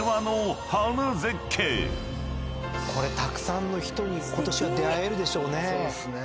これたくさんの人にことしは出会えるでしょうね。